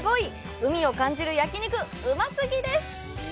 海を感じる焼き肉、うますぎです！